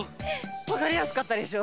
わかりやすかったでしょ？